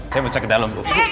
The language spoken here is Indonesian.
saya mau cek ke dalam